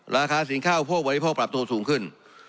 ราคาสินค้าอุโภคบริโภคปรับตัวสูงขึ้น